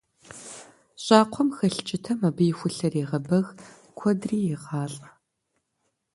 Щӏакхъуэм хэлъ кӀытэм абы и хулъэр егъэбэг, куэдри егъалӀэ.